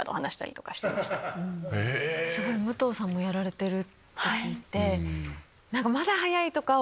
武藤さんもやられてるって聞いて。